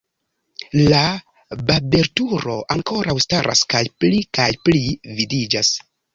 La babelturo ankoraŭ staras kaj pli kaj pli vidiĝas.